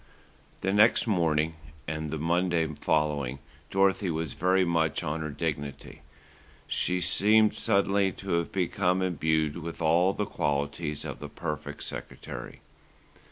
The next morning and the Monday following, Dorothy was very much on her dignity. She seemed suddenly to have become imbued with all the qualities of the perfect secretary.